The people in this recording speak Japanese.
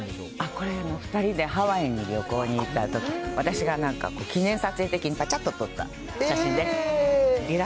これは２人でハワイに旅行に行ったとき、私がなんか、記念撮影的にぱちゃっと撮った写真です。